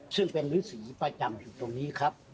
ซึ่งเป็นฤษีประจำอยู่ตรงนี้ครับ